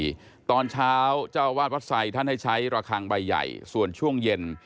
ตอนเช้าเจ้าวาดวัดไซดท่านให้ใช้ระคังใบใหญ่ส่วนช่วงเย็น